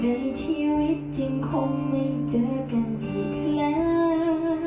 ในชีวิตจึงคงไม่เจอกันอีกแล้ว